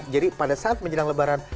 jadi pada saat menjelang lebaran